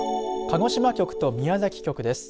鹿児島局と宮崎局です。